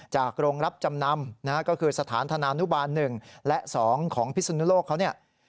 จากโรงรับจำนำก็คือสถานธนานุบาล๑และ๒ของพิศนุโลกเขา